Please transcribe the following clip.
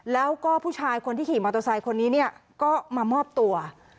แล้วก็ผู้ชายคนที่ขี่มอเตอร์ไซค์คนนี้เนี่ยก็มามอบตัว